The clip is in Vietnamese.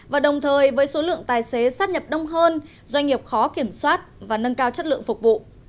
và đồng thời với số lượng tài xế sát nhập đông hơn doanh nghiệp khó kiểm soát và nâng cao chất lượng phục vụ